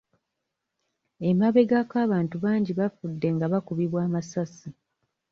Emabegako abantu bangi bafudde nga bakubibwa amasasi